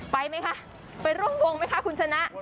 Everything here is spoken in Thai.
ไปไหมคะไปร่วมวงไหมคะคุณชนะ